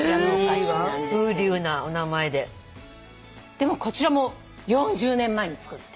でもこちらも４０年前に作った。